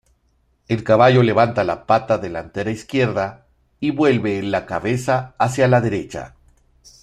El caballo levanta la pata delantera izquierda y vuelve la cabeza hacia la derecha.